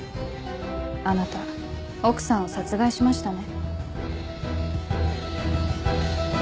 あなた奥さんを殺害しましたね？